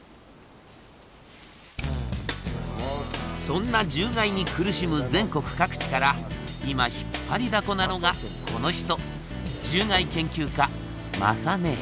そんな獣害に苦しむ全国各地から今引っ張りだこなのがこの人。